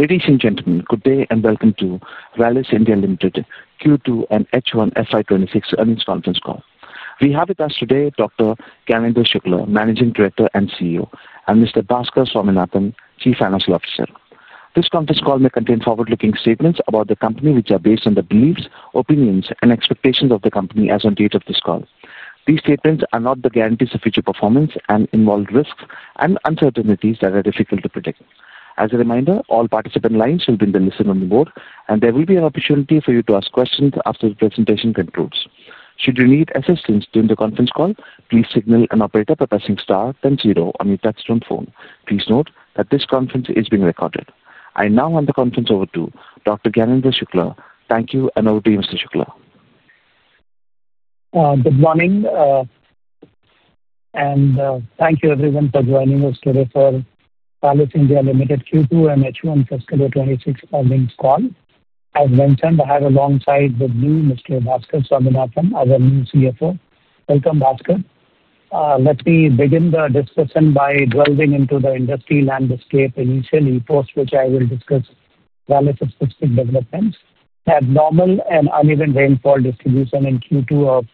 Ladies and gentlemen, good day and welcome to Rallis India Limited Q2 and H1 FY26 earnings conference call. We have with us today Dr. Gyanendra Shukla, Managing Director and CEO, and Mr. Bhaskar Swaminathan, Chief Financial Officer. This conference call may contain forward-looking statements about the company, which are based on the beliefs, opinions, and expectations of the company as of the date of this call. These statements are not the guarantees of future performance and involve risks and uncertainties that are difficult to predict. As a reminder, all participant lines will be in the listen room mode, and there will be an opportunity for you to ask questions after the presentation concludes. Should you need assistance during the conference call, please signal an operator by pressing star, then zero on your touch-tone phone. Please note that this conference is being recorded. I now hand the conference over to Dr. Gyanendra Shukla. Thank you, and over to you, Mr. Shukla. Good morning, and thank you everyone for joining us today for Rallis India Limited Q2 and H1 2026 earnings call. As mentioned, I have alongside with me Mr. Bhaskar Swaminathan, our new CFO. Welcome, Bhaskar. Let me begin the discussion by delving into the industry landscape initially, post which I will discuss Rallis's specific developments. Abnormal and uneven rainfall distribution in Q2 of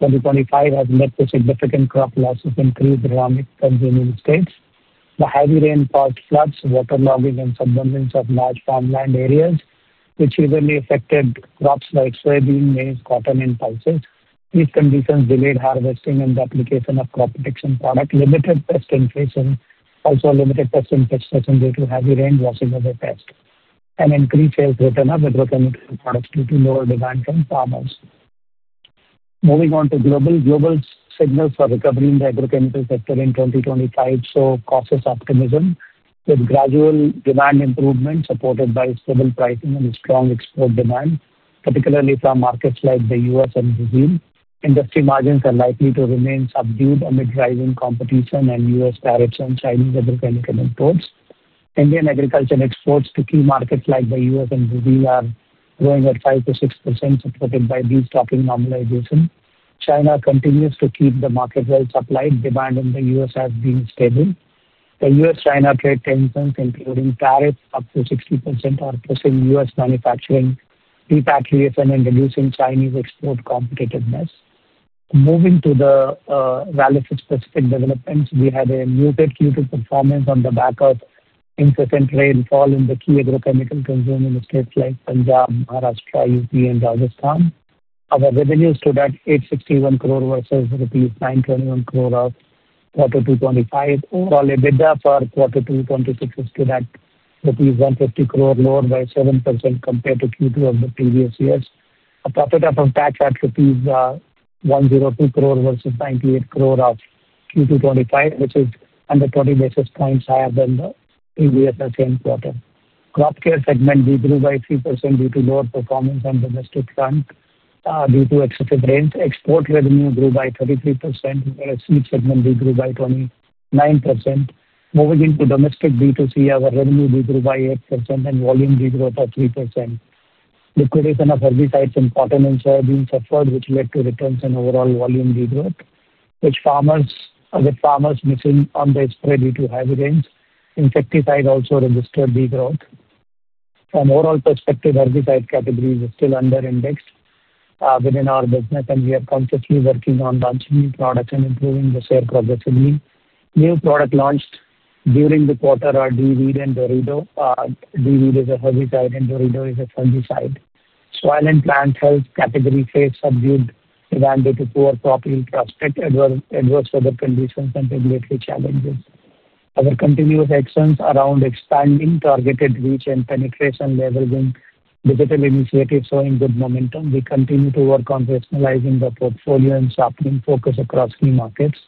2025 has led to significant crop losses and clear drying in the United States. The heavy rain caused floods, waterlogging, and submersions of large farmland areas, which even affected crops like soybean, maize, cotton, and pulses. These conditions delayed harvesting and the application of crop protection products, limited pest infection due to heavy rain washing over pests, and increased sales return of agrochemical products due to lower demand from farmers. Moving on to global signals for recovery in the agrochemical sector in 2025 show cautious optimism with gradual demand improvement supported by stable pricing and strong export demand, particularly from markets like the U.S. and Brazil. Industry margins are likely to remain subdued amid rising competition and U.S. tariffs on Chinese agrochemical imports. Indian agriculture exports to key markets like the U.S. and Brazil are growing at 5%-6%, supported by de-stocking normalization. China continues to keep the market well supplied; demand in the U.S. has been stable. The U.S.-China trade tensions, including tariffs up to 60%, are pushing U.S. manufacturing repatriation and reducing Chinese export competitiveness. Moving to Rallis's specific developments, we had a muted Q2 performance on the back of increasing rainfall in the key agrochemical consumer states like Punjab, Maharashtra, UP, and Rajasthan. Our revenue stood at 861 crore versus rupees 921 crore of Q2 2025. Overall EBITDA for Q2 2026 stood at rupees 150 crore, lower by 7% compared to Q2 of the previous year. Profit after tax at rupees 102 crore versus 98 crore of Q2 2025, which is under 20 basis points higher than the previous same quarter. Crop care segment grew by 3% due to lower performance on the domestic front due to excessive rains. Export revenue grew by 33%, whereas seed segment grew by 29%. Moving into domestic B2C, our revenue grew by 8% and volume grew by 3%. Liquidation of herbicides in cotton and soybeans have been suffered, which led to returns in overall volume growth, with farmers missing on their spread due to heavy rains. Insecticides also registered the growth. From an overall perspective, herbicide categories are still under-indexed within our business, and we are consciously working on launching new products and improving the share progressively. New product launched during the quarter are Dweed and Dorido. Dweed is a herbicide and Dorido is a fungicide. Soil and Plant Health category face subdued demand due to poor crop yield prospect, adverse weather conditions, and regulatory challenges. Our continuous excellence around expanding targeted reach and penetration level in digital initiatives showing good momentum. We continue to work on rationalizing the portfolio and sharpening focus across key markets.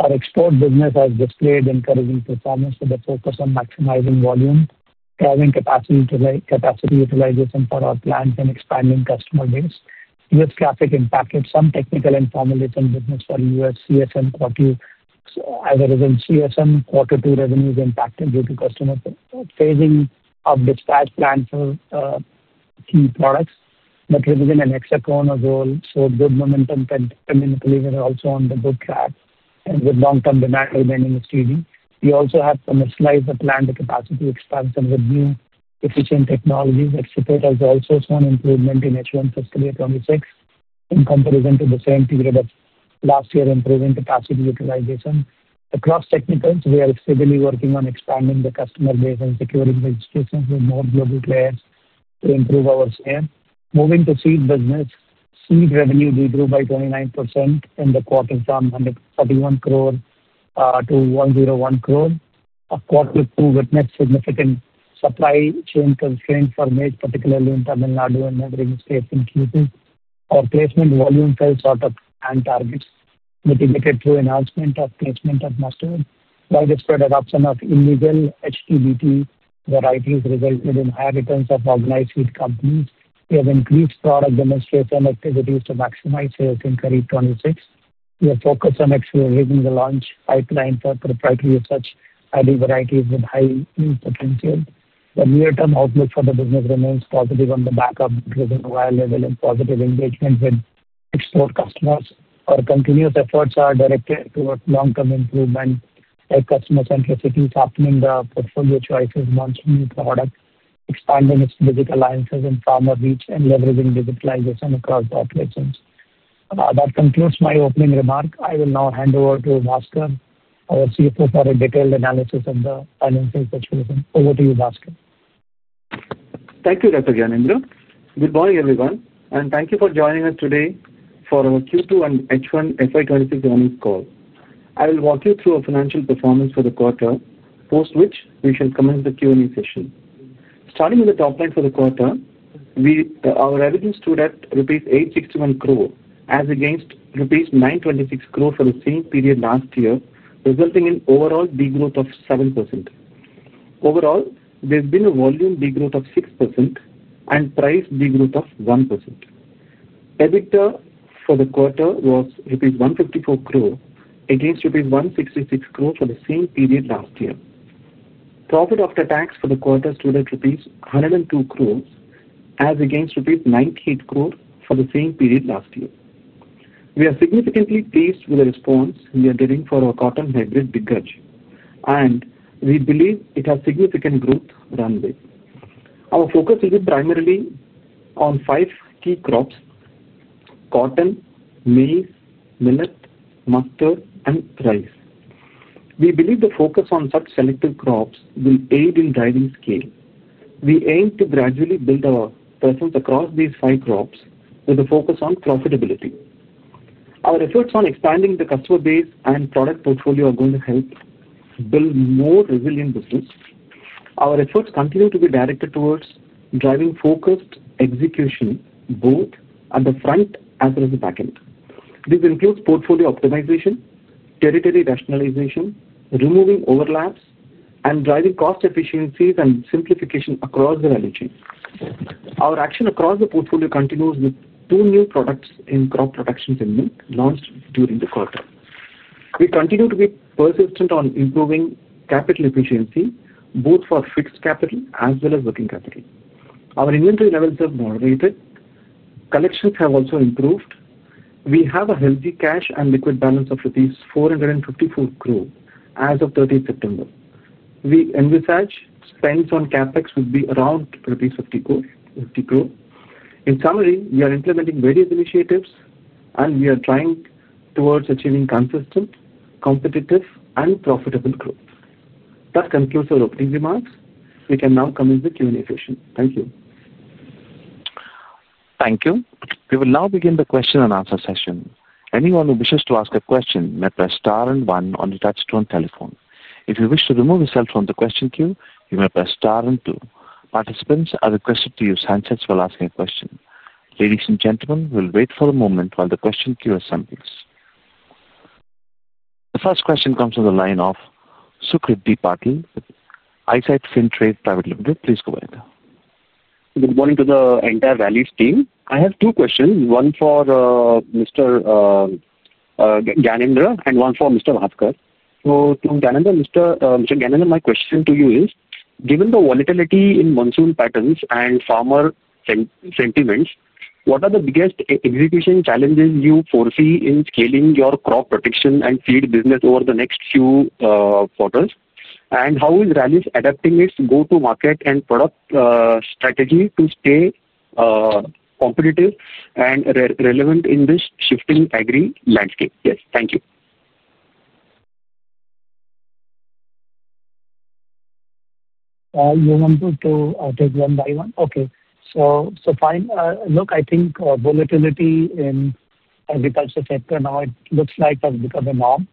Our export business has displayed encouraging performance with a focus on maximizing volume, driving capacity utilization for our plants, and expanding customer base. U.S. Cafe impacted some technical and formulation business for U.S. CSM Q2. As a result, CSM Q2 revenue is impacted due to customer phasing of dispatch plans for key products. Revision and hexaconazole growth showed good momentum and also on the good track, and with long-term demand remaining steady. We also have to mystify the plant capacity expansion with new efficient technologies. Excitator has also shown improvement in H1 fiscal year 2026 in comparison to the same period of last year, improving capacity utilization. Across technicals, we are steadily working on expanding the customer base and securing registrations with more global players to improve our share. Moving to seed business, seed revenue grew by 29% in the quarter from under 31 crore to 101 crore. Q2 witnessed significant supply chain constraints for maize, particularly in Tamil Nadu and neighboring states in Q2. Our placement volume fell short of plant targets, which indicates through enhancement of placement of mustard. Widespread adoption of illegal HTBt varieties resulted in higher returns of organized seed companies. We have increased product demonstration activities to maximize sales in Q2 2026. We have focused on accelerating the launch pipeline for proprietary research ID varieties with high yield potential. The near-term outlook for the business remains positive on the back of increasing our level of positive engagement with export customers. Our continuous efforts are directed towards long-term improvement, like customer centricity, sharpening the portfolio choices, launching new products, expanding its physical alliances in farmer reach, and leveraging digitalization across the operations. That concludes my opening remark. I will now hand over to Bhaskar, our CFO, for a detailed analysis of the financial situation. Over to you, Bhaskar. Thank you, Dr. Gyanendra. Good morning, everyone, and thank you for joining us today for our Q2 and H1 FY26 earnings call. I will walk you through our financial performance for the quarter, post which we shall commence the Q&A session. Starting with the top line for the quarter, our revenue stood at rupees 861 crore as against rupees 926 crore for the same period last year, resulting in overall degrowth of 7%. Overall, there's been a volume degrowth of 6% and price degrowth of 1%. EBITDA for the quarter was rupees 154 crore against rupees 166 crore for the same period last year. Profit after tax for the quarter stood at rupees 102 crore as against rupees 98 crore for the same period last year. We are significantly pleased with the response we are getting for our cotton hybrid biggage, and we believe it has significant growth runway. Our focus will be primarily on five key crops: cotton, maize, millet, mustard, and rice. We believe the focus on such selective crops will aid in driving scale. We aim to gradually build our presence across these five crops with a focus on profitability. Our efforts on expanding the customer base and product portfolio are going to help build more resilient business. Our efforts continue to be directed towards driving focused execution both at the front as well as the back end. This includes portfolio optimization, territory rationalization, removing overlaps, and driving cost efficiencies and simplification across the value chain. Our action across the portfolio continues with two new products in crop production segment launched during the quarter. We continue to be persistent on improving capital efficiency, both for fixed capital as well as working capital. Our inventory levels have moderated. Collections have also improved. We have a healthy cash and liquid balance of rupees 454 crore as of 30th September. We envisage spends on CapEx would be around 50 crore. In summary, we are implementing various initiatives and we are trying towards achieving consistent, competitive, and profitable growth. That concludes our opening remarks. We can now commence the Q&A session. Thank you. Thank you. We will now begin the question and answer session. Anyone who wishes to ask a question may press star and one on the touch-tone telephone. If you wish to remove yourself from the question queue, you may press star and two. Participants are requested to use handsets while asking a question. Ladies and gentlemen, we'll wait for a moment while the question queue assembles. The first question comes from the line of Sucrit D. Patil with Eyesight FinTrade. Please go ahead. Good morning to the entire Rallis team. I have two questions, one for Dr. Gyanendra and one for Mr. Bhaskar. Mr. Gyanendra, my question to you is, given the volatility in monsoon patterns and farmer sentiments, what are the biggest execution challenges you foresee in scaling your crop protection and feed business over the next few quarters? How is Rallis adapting its go-to-market and product strategy to stay competitive and relevant in this shifting agri landscape? Yes, thank you. You want me to take one by one? Okay. Look, I think volatility in the agriculture sector now, it looks like it has become a norm,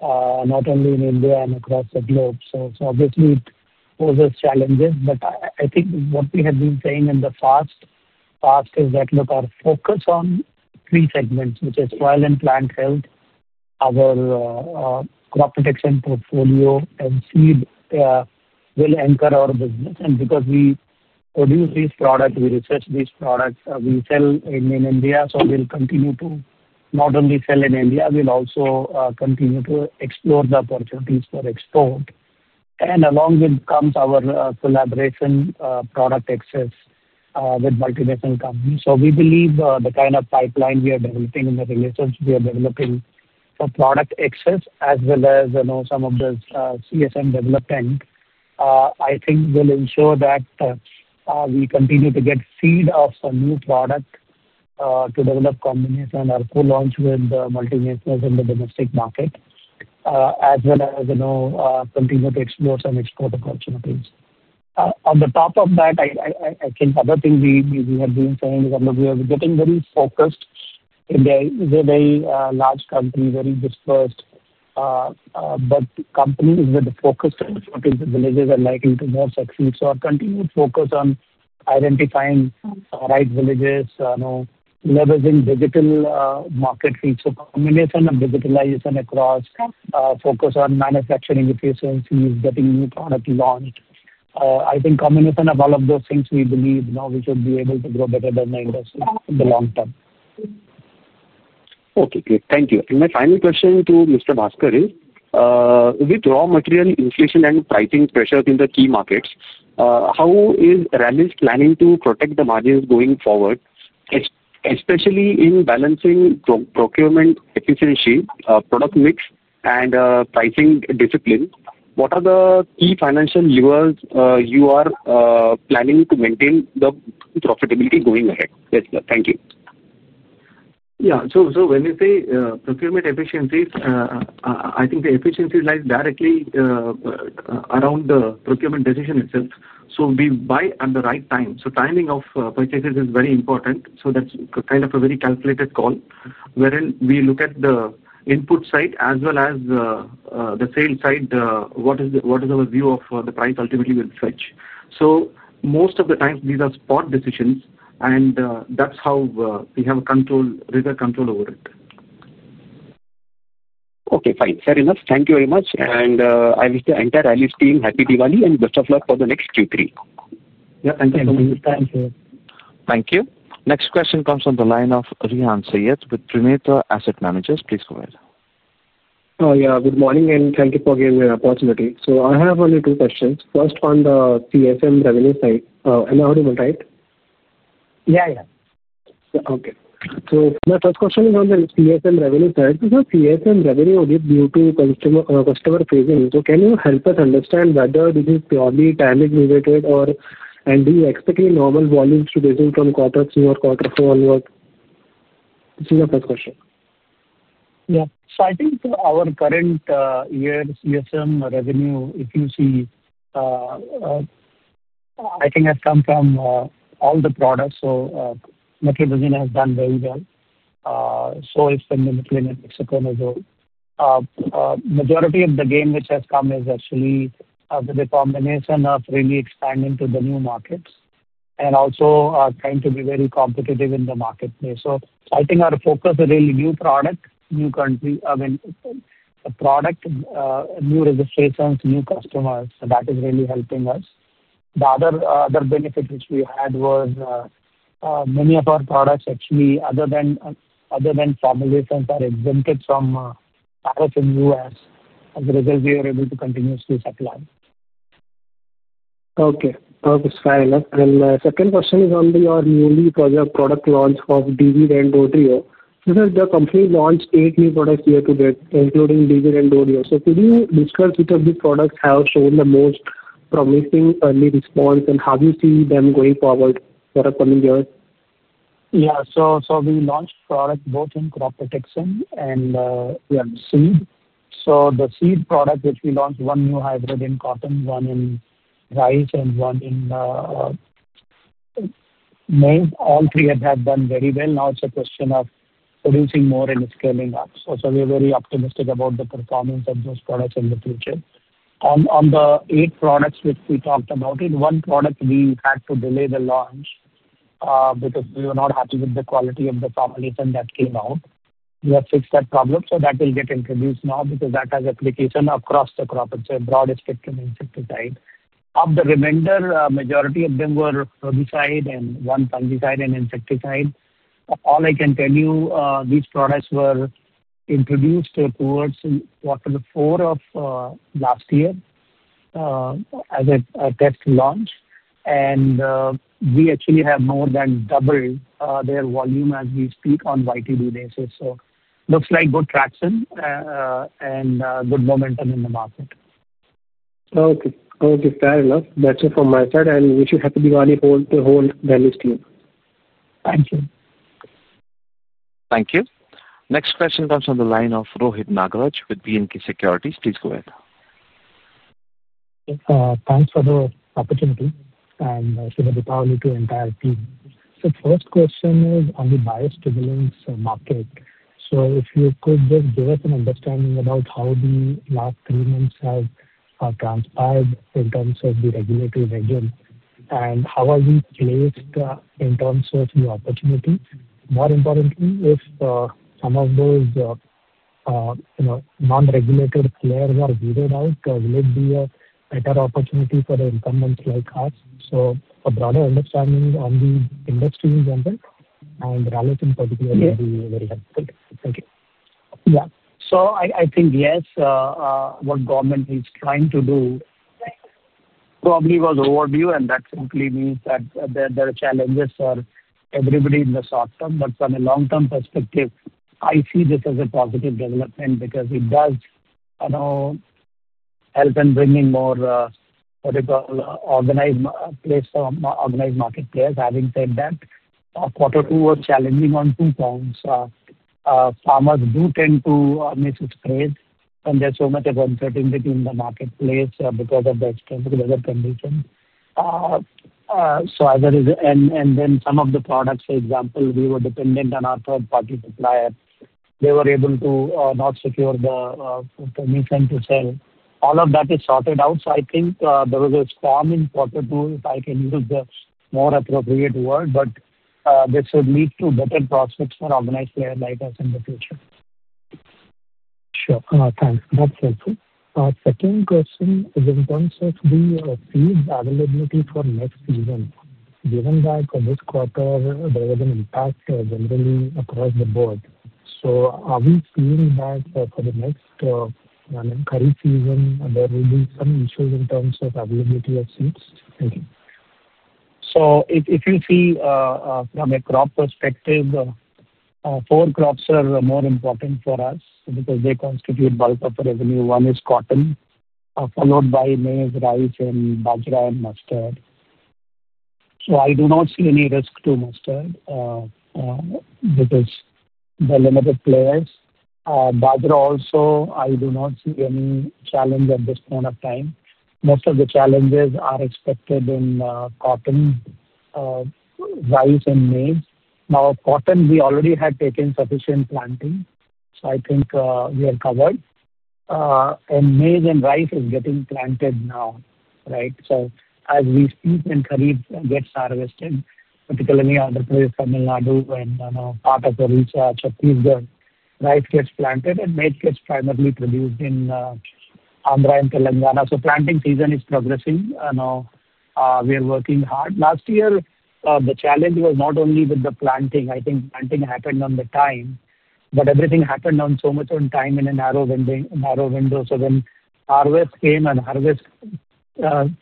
not only in India and across the globe. Obviously, it poses challenges, but I think what we have been saying in the past is that our focus on three segments, which is soil and plant health, our crop protection portfolio, and seed will anchor our business. Because we produce these products, we research these products, we sell in India, we will continue to not only sell in India, we will also continue to explore the opportunities for export. Along with it comes our collaboration product access with multinational companies. We believe the kind of pipeline we are developing and the relations we are developing for product access, as well as some of the CSM development, I think will ensure that we continue to get seed of some new products to develop combinations or co-launch with the multinationals in the domestic market, as well as continue to explore some export opportunities. On top of that, the other thing we have been saying is that we are getting very focused in the very large country, very dispersed, but companies with the focus on short-term villages are likely to more succeed. Our continued focus on identifying right villages, leveraging digital market feeds, combination of digitalization across, focus on manufacturing efficiencies, getting new products launched. I think combination of all of those things we believe now we should be able to grow better than the industry in the long term. Okay, great. Thank you. My final question to Mr. Bhaskar is, with raw material inflation and pricing pressure in the key markets, how is Rallis planning to protect the margins going forward, especially in balancing procurement efficiency, product mix, and pricing discipline? What are the key financial levers you are planning to maintain the profitability going ahead? Yes, thank you. When we say procurement efficiencies, I think the efficiency lies directly around the procurement decision itself. We buy at the right time. Timing of purchases is very important. That's kind of a very calculated call wherein we look at the input side as well as the sales side, what is our view of the price ultimately will fetch. Most of the time, these are spot decisions, and that's how we have a control, rigor control over it. Okay, fine. Fair enough. Thank you very much. I wish the entire Rallis India Limited team happy Diwali and best of luck for the next Q3. Thank you so much. Thank you. Thank you. Next question comes from the line of Rehan Saiyyed with Trinetra Asset Managers. Please go ahead. Good morning, and thank you for giving me an opportunity. I have only two questions. First, on the CSM revenue side. Am audible right? Yeah, yeah. Okay. My first question is on the CSM revenue side. The CSM revenue will be due to customer phasing. Can you help us understand whether this is purely time-aggregated, or do you expect a normal volume to phase in from quarter two or quarter four? This is my first question. Yeah. I think our current year's CSM revenue, if you see, has come from all the products. So metribuzin has done very well. Soy's been limiting and hexaconazole growth. Majority of the gain which has come is actually the combination of really expanding to the new markets and also trying to be very competitive in the marketplace. I think our focus is really new product, new country, I mean, the product, new registrations, new customers. That is really helping us. The other benefit which we had was many of our products, actually, other than formulations, are exempted from tariff in the U.S. As a result, we were able to continuously supply. Okay. That's fair enough. The second question is on your newly project product launch of Dweed and Dorido. This is the company launched eight new products year to date, including Dweed and Dorido. Could you describe which of these products have shown the most promising early response, and how do you see them going forward for the coming years? Yeah. We launched products both in crop protection and we have seed. The seed product which we launched, one new hybrid in cotton, one in rice, and one in maize, all three have done very well. Now it's a question of producing more and scaling up. We're very optimistic about the performance of those products in the future. On the eight products which we talked about, in one product we had to delay the launch because we were not happy with the quality of the formulation that came out. We have fixed that problem. That will get introduced now because that has application across the crop. It's a broad-spectrum insecticide. Of the remainder, a majority of them were herbicide and one fungicide and insecticide. All I can tell you, these products were introduced towards quarter four of last year as a test launch. We actually have more than doubled their volume as we speak on a YTD basis. It looks like good traction and good momentum in the market. Okay. Fair enough. That's it from my side. Wish you happy Diwali to whole Rallis team. Thank you. Next question comes from the line of Rohit Nagaraj with BNK Securities. Please go ahead. Thanks for the opportunity. I should have the power to the entire team. First question is on the biostimulants market. If you could just give us an understanding about how the last three months have transpired in terms of the regulatory regime, and how are we placed in terms of the opportunity? More importantly, if some of those non-regulatory players are weeded out, will it be a better opportunity for the incumbents like us? A broader understanding on the industry in general and Rallis in particular would be very helpful. Thank you. Yeah. I think, yes, what government is trying to do probably was overdue, and that simply means that there are challenges for everybody in the short term. From a long-term perspective, I see this as a positive development because it does, I don't know, help in bringing more organized players, organized market players. Having said that, quarter two was challenging on two points. Farmers do tend to miss its crate, and there's so much uncertainty in the marketplace because of the extensive weather conditions. As a result, and then some of the products, for example, we were dependent on our third-party supplier. They were able to not secure the permission to sell. All of that is sorted out. I think there was a storm in quarter two, if I can use the more appropriate word, but this would lead to better prospects for organized players like us in the future. Sure. Thanks. That's helpful. Our second question is in terms of the seeds availability for next season. Given that for this quarter, there was an impact generally across the board, are we seeing that for the next, I mean, kharif season, there will be some issues in terms of availability of seeds? If you see from a crop perspective, four crops are more important for us because they constitute bulk of the revenue. One is cotton, followed by maize, rice, and bajra and mustard. I do not see any risk to mustard because there are limited players. Bajra also, I do not see any challenge at this point of time. Most of the challenges are expected in cotton, rice, and maize. Now, cotton, we already had taken sufficient planting. I think we are covered. Maize and rice are getting planted now, right? As we speak, and kharif gets harvested, particularly in the place of Tamil Nadu and part of the reach of Chhattisgarh. Rice gets planted and maize gets primarily produced in Andhra and Telangana. Planting season is progressing. We are working hard. Last year, the challenge was not only with the planting. I think planting happened on time, but everything happened so much on time in a narrow window. When harvest came and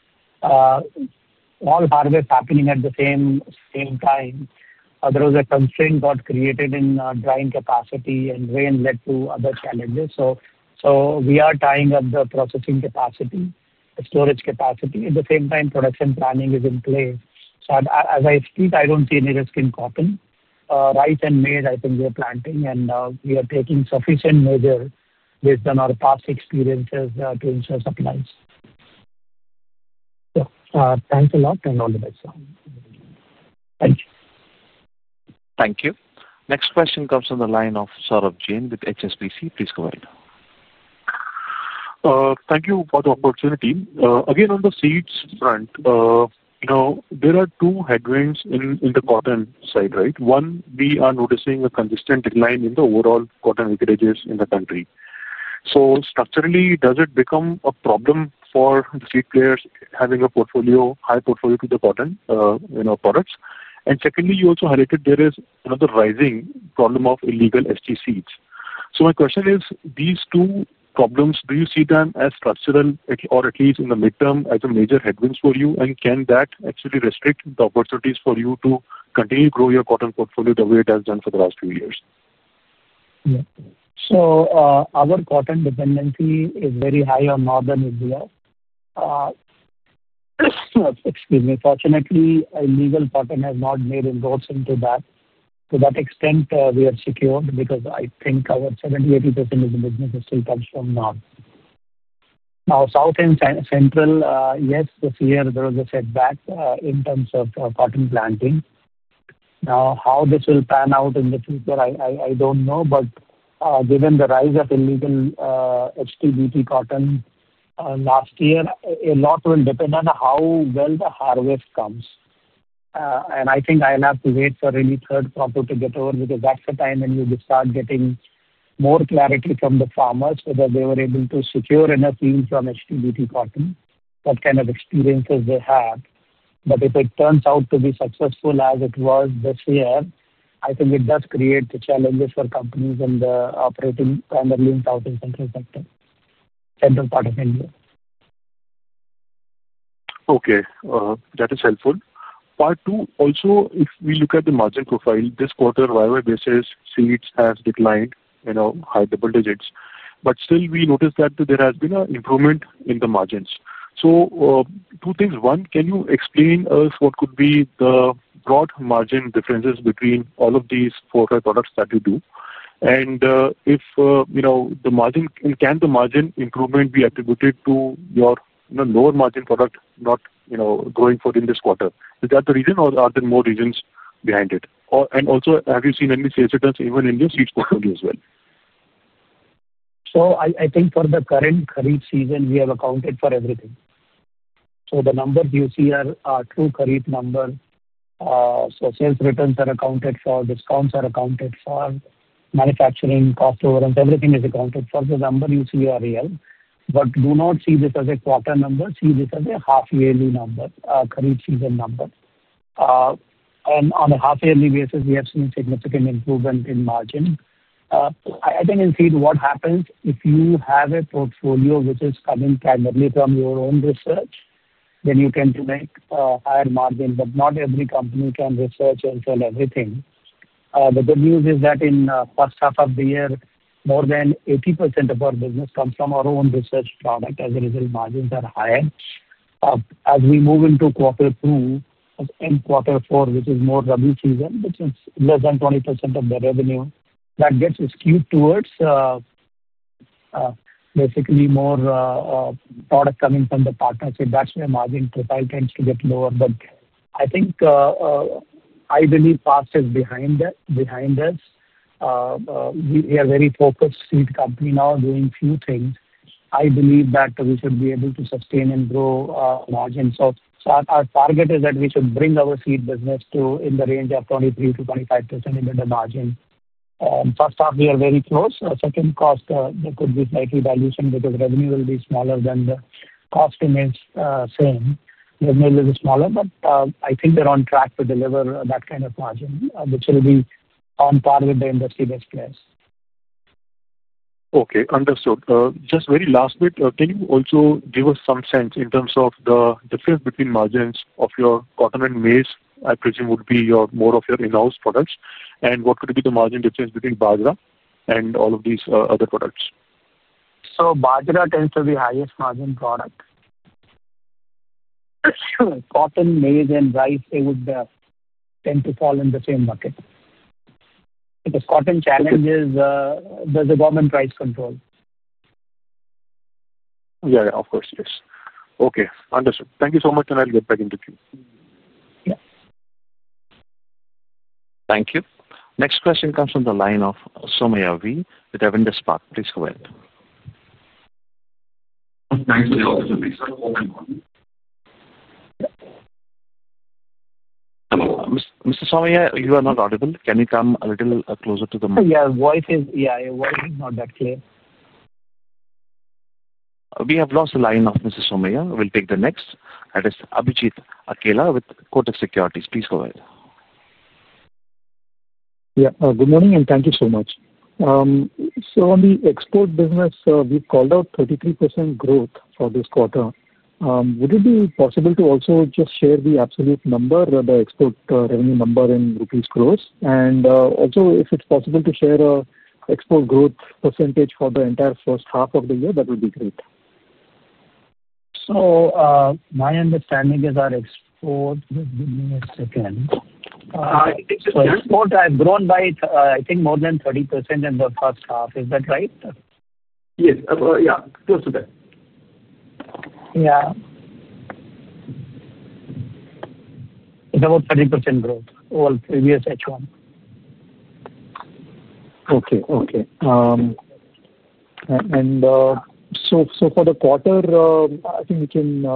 all harvests happened at the same time, there was a constraint that was created in drying capacity, and rain led to other challenges. We are tying up the processing capacity, the storage capacity. At the same time, production planning is in place. As I speak, I don't see any risk in cotton. Rice and maize, I think we are planting, and we are taking sufficient measure based on our past experiences to ensure supplies. Thanks a lot and all the best. Thank you. Thank you. Next question comes from the line of Saurabh Jain with HSBC. Please go ahead. Thank you for the opportunity. Again, on the seeds front, there are two headwinds in the cotton side, right? One, we are noticing a consistent decline in the overall cotton acreages in the country. Structurally, does it become a problem for the seed players having a high portfolio to the cotton in our products? Secondly, you also highlighted there is another rising problem of illegal seeds. My question is, these two problems, do you see them as structural, or at least in the midterm, as a major headwind for you? Can that actually restrict the opportunities for you to continue to grow your cotton portfolio the way it has done for the last few years? Yeah. Our cotton dependency is very high on Northern India. Excuse me. Fortunately, illegal cotton has not made inroads into that. To that extent, we are secured because I think about 70%, 80% of the business still comes from North. Now, South and Central, yes, this year there was a setback in terms of cotton planting. How this will pan out in the future, I don't know. Given the rise of illegal HTBt cotton last year, a lot will depend on how well the harvest comes. I think I'll have to wait for really third quarter to get over because that's the time when you start getting more clarity from the farmers whether they were able to secure enough yield from HTBt cotton, what kind of experiences they had. If it turns out to be successful as it was this year, I think it does create challenges for companies operating primarily in South and Central sector, Central part of India. Okay, that is helpful. Part two, also, if we look at the margin profile this quarter, wherever this is, seeds have declined in high double digits. Still, we noticed that there has been an improvement in the margins. Two things. One, can you explain to us what could be the broad margin differences between all of these four products that you do? If you know the margin, can the margin improvement be attributed to your lower margin product not growing in this quarter? Is that the reason, or are there more reasons behind it? Also, have you seen any sales returns even in your seeds portfolio as well? I think for the current kharif season, we have accounted for everything. T`he numbers you see are true kharif numbers. Sales returns are accounted for, discounts are accounted for, manufacturing cost overruns, everything is accounted for. The numbers you see are real. Do not see this as a quarter number. See this as a half-yearly number, kharif season number. On a half-yearly basis, we have seen significant improvement in margin. I think in seed what happens, if you have a portfolio which is coming primarily from your own research, then you tend to make a higher margin. Not every company can research and sell everything. The good news is that in the first half of the year, more than 80% of our business comes from our own research product. As a result, margins are higher. As we move into quarter two and quarter four, which is more rabi season, which is less than 20% of the revenue, that gets skewed towards basically more products coming from the partnership. That's where margin profile tends to get lower. I believe past is behind us. We are a very focused seed company now doing a few things. I believe that we should be able to sustain and grow margins. Our target is that we should bring our seed business to in the range of 23%-25% in the margin. First half, we are very close. Second, cost there could be slightly dilution because revenue will be smaller than the cost in its same. Revenue will be smaller, but I think they're on track to deliver that kind of margin, which will be on par with the industry best players. Okay. Understood. Just very last bit, can you also give us some sense in terms of the difference between margins of your cotton and maize? I presume it would be more of your in-house products. What could be the margin difference between Badra and all of these other products? Badra tends to be the highest margin product. Cotton, maize, and rice, it would tend to fall in the same bucket because cotton challenges the government price control. Yeah, of course. Yes. Okay. Understood. Thank you so much, and I'll get back in to queue. Yeah. Thank you. Next question comes from the line of Somaya with Avendus Capital. Please go ahead. Mr. Somaya, you are not audible. Can you come a little closer to the mic? Yeah, your voice is not that clear. We have lost the line of Mr. Somaya. We'll take the next. That is Abhijit Akela with Kotak Securities. Please go ahead. Good morning, and thank you so much. On the export business, we've called out 33% growth for this quarter. Would it be possible to also just share the absolute number, the export revenue number in INR gross? Also, if it's possible to share an export growth percentage for the entire first half of the year, that would be great. My understanding is our export has grown by, I think, more than 30% in the first half. Is that right? Yes, yeah, close to that. Yeah, it's about 30% growth over the previous H1. Okay. For the quarter, I think we can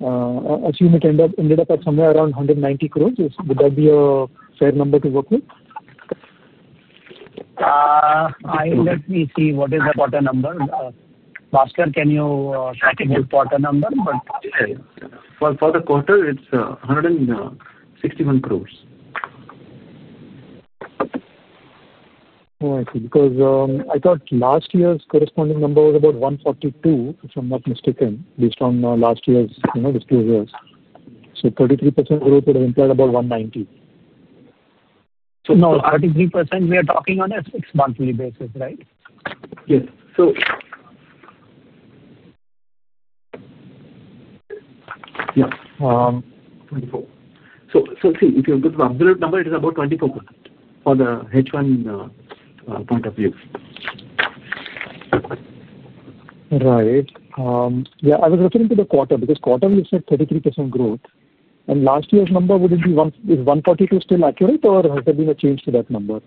assume it ended up at somewhere around 190 crore. Would that be a fair number to work with? Let me see. What is the quarter number? Bhaskar, can you check the quarter number? For the quarter, it's 161 crore. Oh, I see. I thought last year's corresponding number was about 142 crore, if I'm not mistaken, based on last year's disclosures. 33% growth would have implied about 190 crore. Now 33%, we are talking on a six-monthly basis, right? Yes. If you look at the absolute number, it is about 24% for the H1 point of view. Right. Yeah, I was referring to the quarter because quarterly it's at 33% growth. Last year's number wouldn't be 142. Is 142 still accurate, or has there been a change to that number?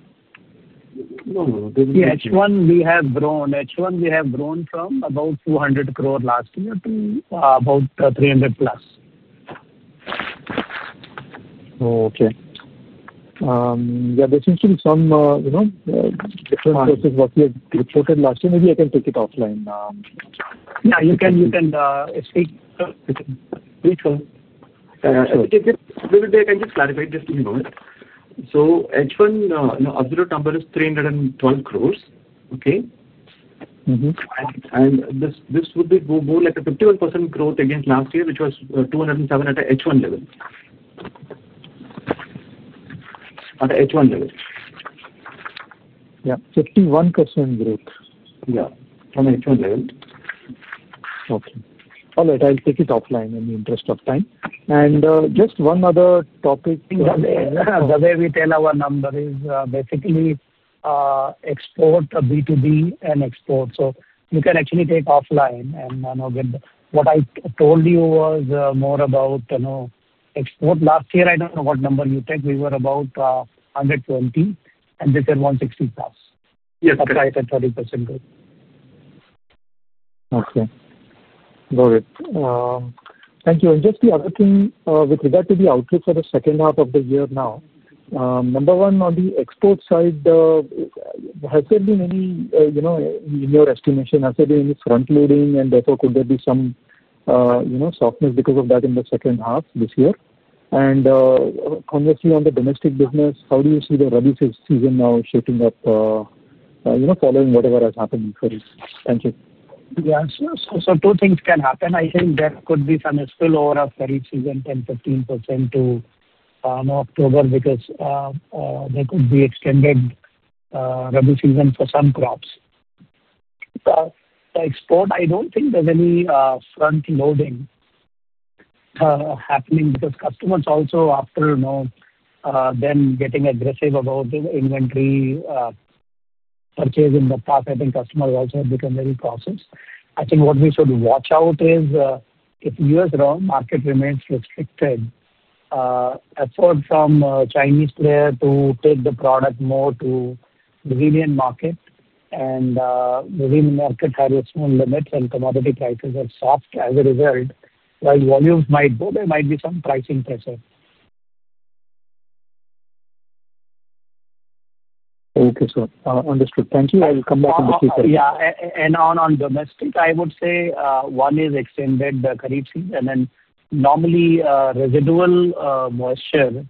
No. The H1 we have grown, we have from about 200 crore last year to about 300+. Oh, okay. Yeah, there seems to be some, you know, difference versus what we had reported last year. Maybe I can take it offline. Yeah, you can speak. Yeah, sure. If you can just clarify it just a moment. H1, you know, absolute number is 312 crore, okay? This would be more like a 51% growth against last year, which was 207 crore at the H1 level. At the H1 level. Yeah, 51% growth. Yeah, on the H1 level. Okay. All right. I'll take it offline in the interest of time. Just one other topic. The way we tell our number is basically export B2B and export. You can actually take offline and get what I told you was more about export. Last year, I don't know what number you take. We were about 120, and this is 160+. Yes, that's why I said 30% growth. Okay. Got it. Thank you. Just the other thing with regard to the outlook for the second half of the year now, number one, on the export side, has there been any, you know, in your estimation, has there been any front loading, and therefore, could there be some, you know, softness because of that in the second half this year? Conversely, on the domestic business, how do you see the rabi season now shaping up, you know, following whatever has happened before? Thank you. Yeah. Two things can happen. I think there could be some spillover of kharif season, 10%-15%, to October because there could be extended rabi season for some crops. The export, I don't think there's any front loading happening because customers also, after them getting aggressive about the inventory purchase in the past, I think customers also have become very cautious. I think what we should watch out is if the U.S. market remains restricted, effort from a Chinese player to take the product more to the Brazilian market, and the Brazilian market has its own limits and commodity prices are soft. As a result, while volumes might go, there might be some pricing pressure. Okay, understood. Thank you. I'll come back in the future. Yeah. On domestic, I would say one is extended the kharif season, and then normally residual moisture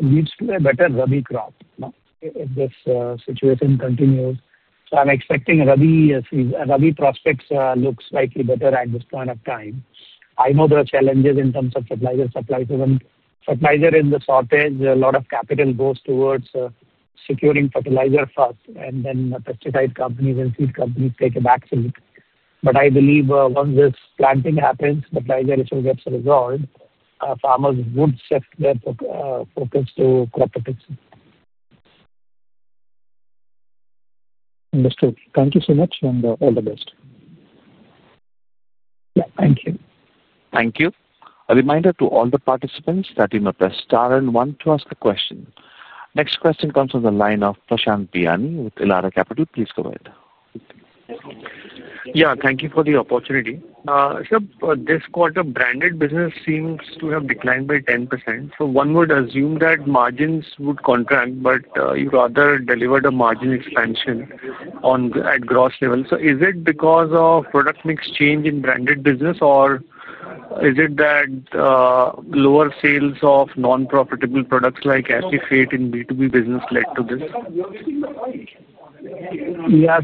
leads to a better rabi crop. If this situation continues, I'm expecting rabi prospects look slightly better at this point of time. I know there are challenges in terms of fertilizer supply. Fertilizer is the shortage. A lot of capital goes towards securing fertilizer first, and then the pesticide companies and seed companies take a backfill. I believe once this planting happens, fertilizer issue gets resolved, farmers would shift their focus to crop protection. Understood. Thank you so much, and all the best. Thank you. Thank you. A reminder to all the participants that you may press star and one to ask a question. Next question comes from the line of Prashant Biyani with Elara Capital. Please go ahead. Thank you for the opportunity. Sir, this quarter, branded business seems to have declined by 10%. One would assume that margins would contract, but you rather delivered a margin expansion at gross level. Is it because of product mix change in branded business, or is it that lower sales of non-profitable products like [Actifate] in B2B business led to this? Yeah.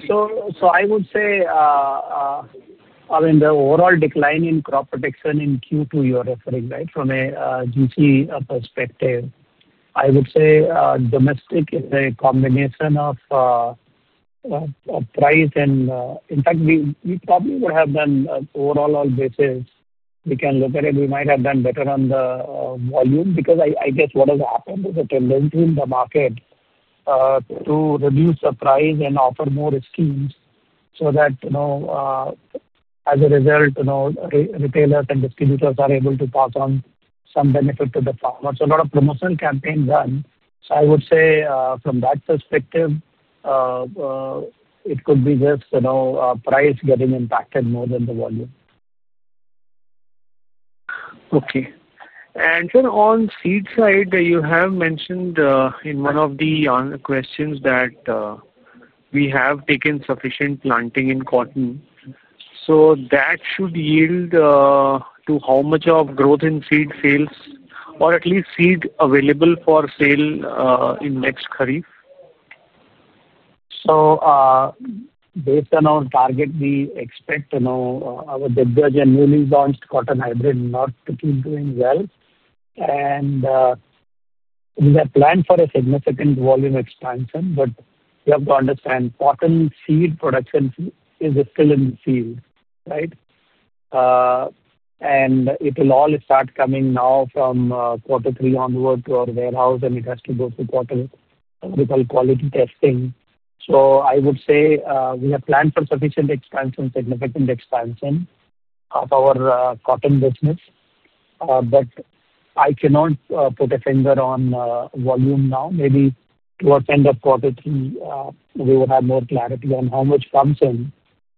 I would say, I mean, the overall decline in crop protection in Q2 you're referring to, right? From a GC perspective, I would say domestic is a combination of price and, in fact, we probably would have done overall basis. We can look at it. We might have done better on the volume because I guess what has happened is a tendency in the market to reduce the price and offer more schemes so that, you know, as a result, retailers and distributors are able to pass on some benefit to the farmers. A lot of promotional campaigns done. I would say from that perspective, it could be just, you know, price getting impacted more than the volume. Okay. Sir, on seed side, you have mentioned in one of the questions that we have taken sufficient planting in cotton. That should yield to how much of growth in seed sales or at least seed available for sale in next kharif? Based on our target, we expect our generally launched cotton hybrid to keep doing well. We have planned for a significant volume expansion. You have to understand cotton seed production is still in the field, right? It will all start coming now from quarter three onward to our warehouse, and it has to go through what we call quality testing. I would say we have planned for sufficient expansion, significant expansion of our cotton business. I cannot put a finger on volume now. Maybe towards the end of quarter three, we will have more clarity on how much comes in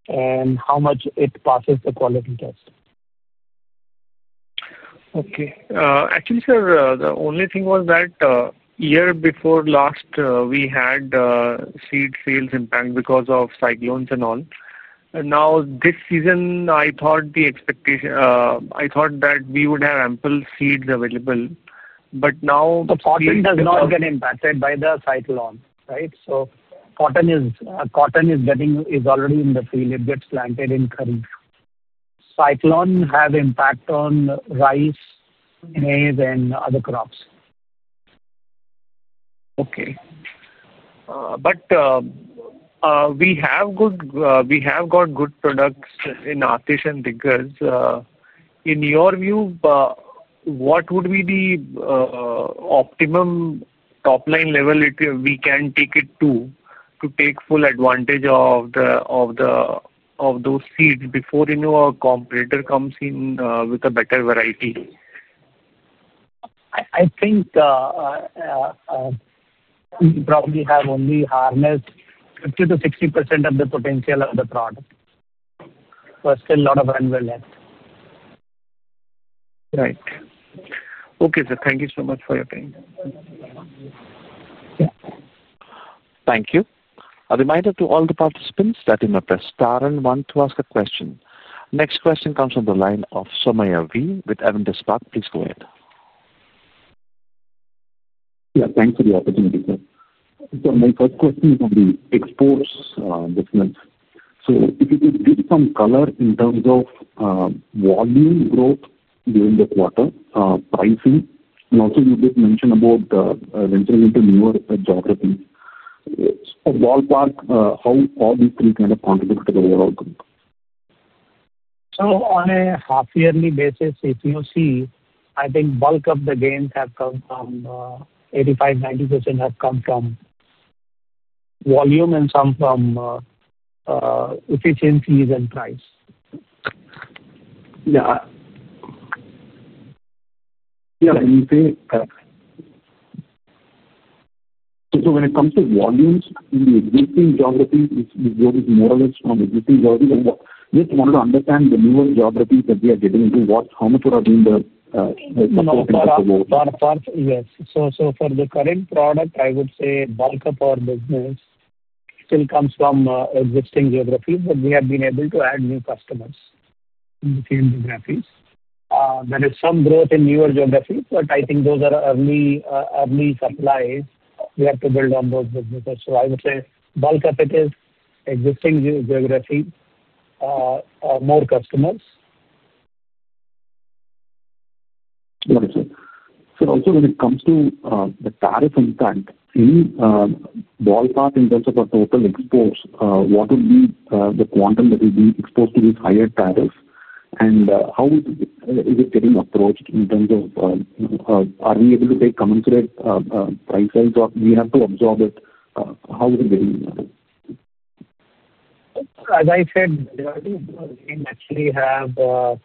and how much it passes the quality test. Okay. Actually, sir, the only thing was that the year before last, we had seed sales impact because of cyclones and all. Now this season, I thought the expectation, I thought that we would have ample seeds available. Now. The cotton does not get impacted by the cyclone, right? Cotton is already in the field. It gets planted in kharif. The cyclone has impact on rice, maize, and other crops. Okay. We have got good products in artificial diggers. In your view, what would be the optimum top-line level if we can take it to take full advantage of those seeds before a competitor comes in with a better variety? I think we probably have only harnessed 50%-60% of the potential of the product. There's still a lot of unwell health. Right. Okay, sir. Thank you so much for your time. Yeah. Thank you. A reminder to all the participants that you may press star and one to ask a question. Next question comes from the line of Somaiah V with Avendus Spark. Please go ahead. Thank you for the opportunity, sir. My first question is on the export business. If you could give some color in terms of volume growth during the quarter, pricing, and also you did mention about entering into newer geographies, a ballpark, how all these three kind of contribute to the overall growth? On a half-yearly basis, if you see, I think bulk of the gains have come from 85%, 90% have come from volume and some from efficiencies and price. Yeah. When it comes to volumes in the existing geographies, is yours more or less from existing geographies? I just wanted to understand the newer geographies that we are getting into. How much are we in the market? Yes. For the current product, I would say bulk of our business still comes from existing geographies, but we have been able to add new customers in the same geographies. There is some growth in newer geographies, but I think those are early supplies. We have to build on those businesses. I would say bulk of it is existing geography, more customers. Got it, sir. When it comes to the tariff impact, any ballpark in terms of our total exports, what would be the quantum that we'd be exposed to with higher tariffs? How is it getting approached in terms of, you know, are we able to take commensurate price size, or we have to absorb it? How is it getting? As I said, we naturally have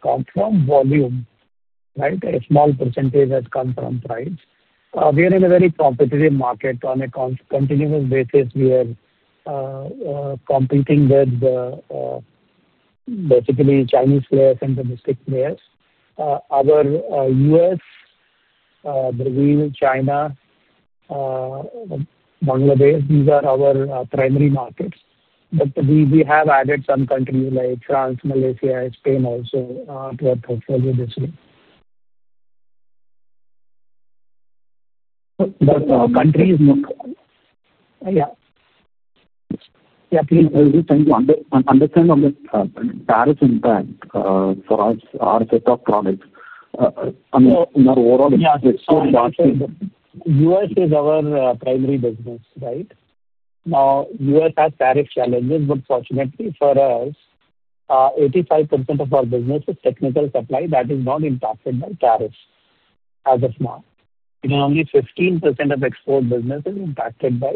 come from volume, right? A small percentage has come from price. We are in a very competitive market. On a continuous basis, we are competing with basically Chinese players and domestic players. Our U.S., Brazil, China, Bangladesh, these are our primary markets. We have added some countries like France, Malaysia, and Spain also to our portfolio this year. Yeah, please. I was just trying to understand on the tariff impact for our set of products. I mean, in our overall, it's so large. U.S. is our primary business, right? Now, U.S. has tariff challenges, but fortunately for us, 85% of our business is technical supply that is not impacted by tariffs as of now. Only 15% of export business is impacted by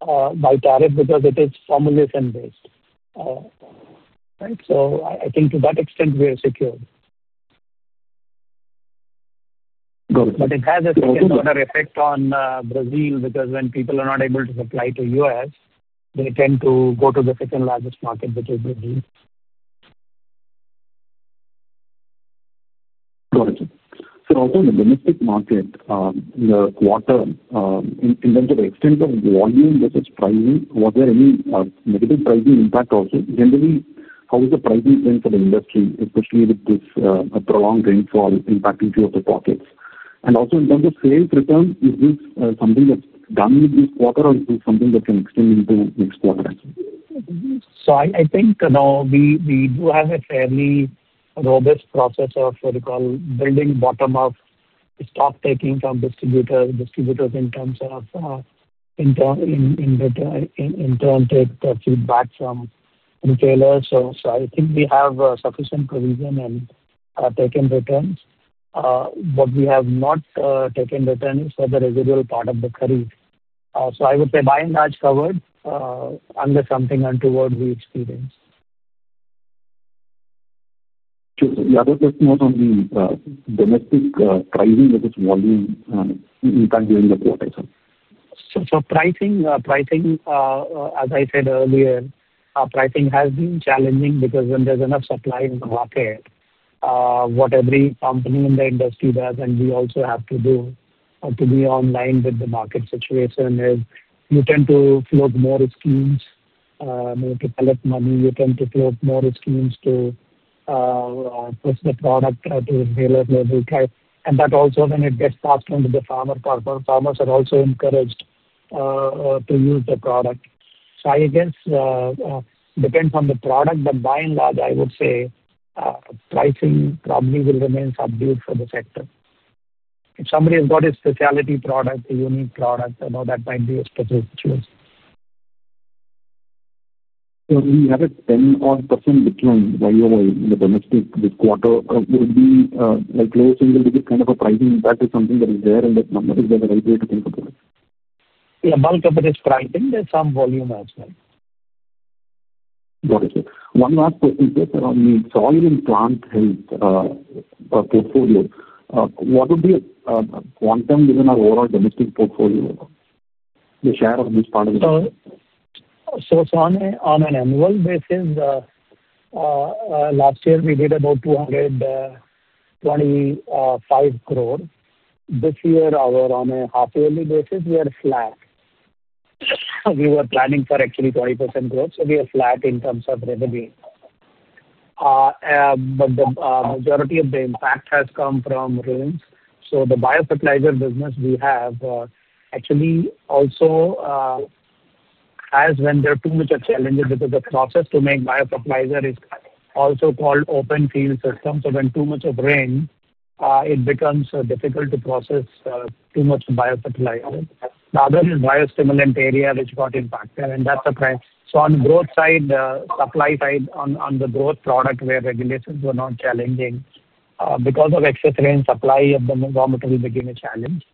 tariff because it is formulation-based, right? I think to that extent, we are secured. Got it. It has a secondary effect on Brazil because when people are not able to supply to the U.S., they tend to go to the second largest market, which is Brazil. Got it, sir. In the domestic market, in the quarter, in terms of the extent of volume versus pricing, was there any negative pricing impact also? Generally, how is the pricing then for the industry, especially with this prolonged rainfall impacting two of the pockets? In terms of sales return, is this something that's done with this quarter, or is this something that can extend into next quarter as well? I think now we do have a fairly robust process of what we call building bottom-up stock-taking from distributors, distributors in turn take feedback from retailers. I think we have sufficient provision and taken returns. What we have not taken return is for the residual part of the crop. I would say by and large covered under something untoward we experience. Yeah, that's more on the domestic pricing versus volume impact during the quarter, sir. As I said earlier, pricing has been challenging because when there's enough supply in the market, what every company in the industry does, and we also have to do to be online with the market situation, is you tend to float more schemes, more to pellet money. You tend to float more schemes to push the product to the tailored level. That also, when it gets passed on to the farmer part, farmers are also encouraged to use the product. I guess it depends on the product. By and large, I would say pricing probably will remain subdued for the sector. If somebody has got a specialty product, a unique product, that might be a special situation. We have a 10% odd decline right away in the domestic this quarter. Would be like low single-digit kind of a pricing impact is something that is there, and that number is the right way to think about it? Yeah, bulk of it is pricing. There's some volume as well. Got it, sir. One last question, sir, on the Soil and Plant Health portfolio, what would be a quantum within our overall domestic portfolio? The share of this part of the. On an annual basis, last year we did about 225 crore. This year, on a half-yearly basis, we are flat. We were planning for actually 20% growth. We are flat in terms of revenue. The majority of the impact has come from roots. The biosupplementer business we have actually also has when there are too much challenges because the process to make biosupplementer is also called open field system. When too much rain, it becomes difficult to process too much biosupply. The other is biostimulant area which got impacted. That's the price. On the growth side, the supply side on the growth product where regulations were not challenging because of excess rain supply of the government will begin a challenge.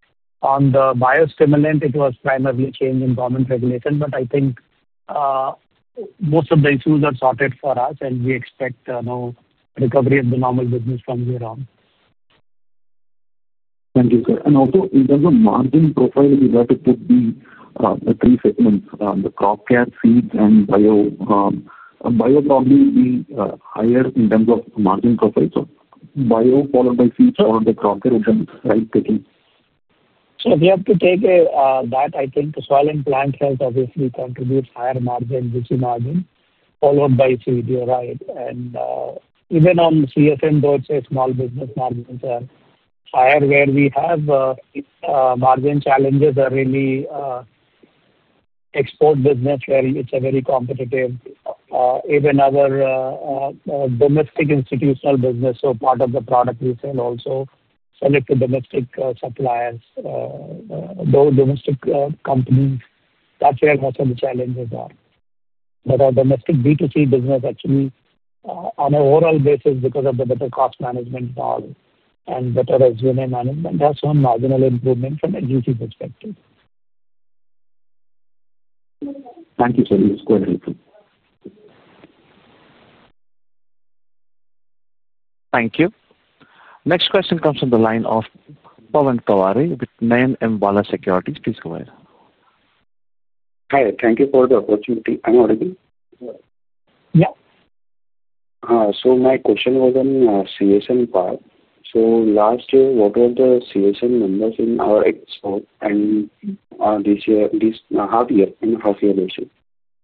On the biostimulant, it was primarily change in government regulation. I think most of the issues are sorted for us, and we expect no recovery of the normal business from here on. Thank you, sir. Also, in terms of margin profile, if you have to put the three segments, the crop care, seeds, and bio, bio probably would be higher in terms of margin profile. Bio followed by seeds or the crop care, which I'm right taking. If you have to take that, I think Soil and Plant Health obviously contributes higher margin, GC margin, followed by seed, you're right. Even on CSM, though it's a small business, margin higher. Where we have margin challenges are really export business where it's very competitive, even our domestic institutional business. Part of the product we sell also selected domestic suppliers, those domestic companies. That's where most of the challenges are. Our domestic B2C business actually, on an overall basis, because of the better cost management model and better solar management, that's one marginal improvement from a GC perspective. Thank you, sir. This is quite helpful. Thank you. Next question comes from the line of Pavan Kaware with Nayan M Vala Securities. Please go ahead. Hi. Thank you for the opportunity. I'm audible? Yeah. My question was on CSM part. Last year, what were the CSM numbers in our export and this half year and half year basis?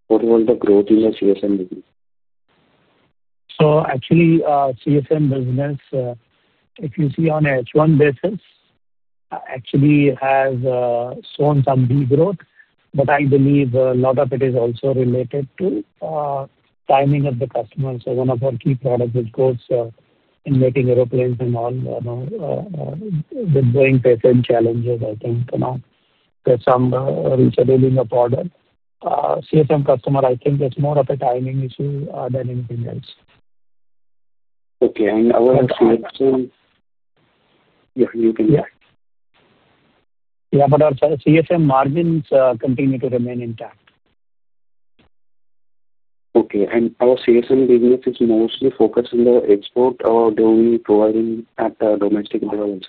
What was the growth in the CSM business? The CSM business, if you see on an H1 basis, actually has shown some degrowth, but I believe a lot of it is also related to timing of the customers. One of our key products is used in making airplanes and all, you know, with Boeing facing challenges, I think now there's some resettling of order. The CSM customer, I think, is more of a timing issue than anything else. Okay, I wanted to. Yeah. Yeah, you can. Yeah, our CSM margins continue to remain intact. Okay. Our CSM business is mostly focused on the export or do we provide at domestic level?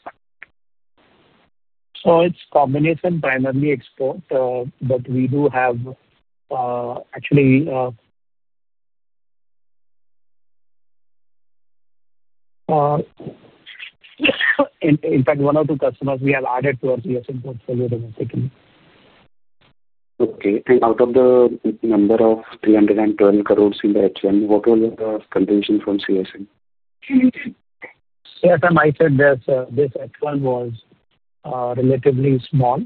It's a combination, primarily export, but we do have, in fact, one or two customers we have added to our CSM portfolio domestically. Okay. Out of the number of 312 crore in the H1, what was the contribution from CSM? CSM, I said this H1 was relatively small.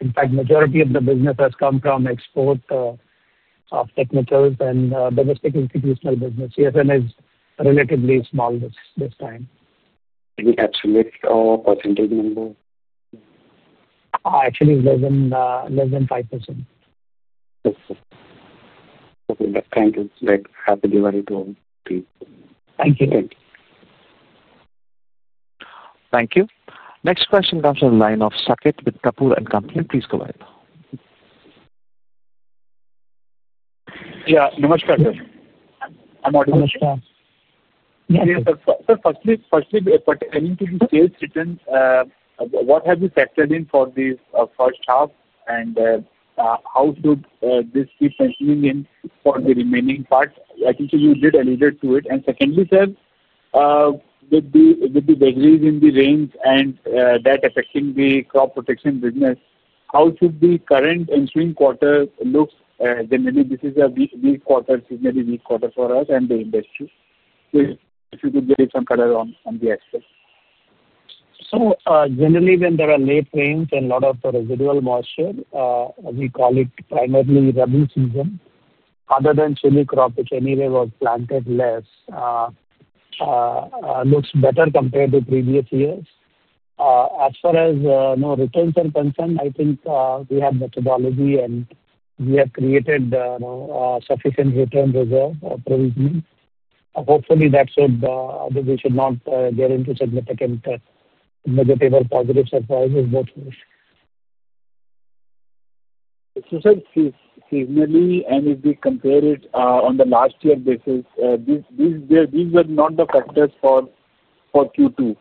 In fact, the majority of the business has come from export of technicals and domestic institutional business. CSM is relatively small this time. Any estimate or percentage number? Actually, less than 5%. Okay, thank you. I'm happy to be able to return to queue. Thank you. Okay. Thank you. Next question comes from the line of Sakit with Kapoor & Company. Please go ahead. Yeah. Namaskar, sir. I'm audible? Namaskar. Yes. Sir, firstly, coming to the sales returns, what have you factored in for this first half, and how should this keep continuing for the remaining part? I think you did allude to it. Secondly, sir, with the delays in the rains and that affecting the crop protection business, how should the current and spring quarter look? Generally, this is a weak quarter, seasonally weak quarter for us and the industry. If you could give some color on the export. Generally, when there are late rains and a lot of residual moisture, we call it primarily rabi season. Other than chili crop, which anyway was planted less, looks better compared to previous years. As far as no returns are concerned, I think we have methodology and we have created sufficient return reserve provisioning. Hopefully, we should not get into significant negative or positive surprises in those years. Seasonally, and if we compare it on the last year basis, these were not the factors for Q2.